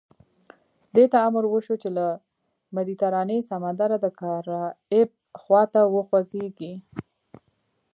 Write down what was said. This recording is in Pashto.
دې ته امر وشو چې له مدیترانې سمندره د کارائیب خوا ته وخوځېږي.